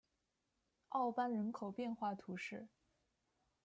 奥班人口变化图示